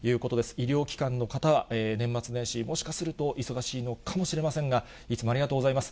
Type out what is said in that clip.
医療機関の方は年末年始、もしかすると忙しいのかもしれませんが、いつもありがとうございます。